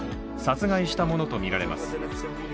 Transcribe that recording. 殺害したものとみられます。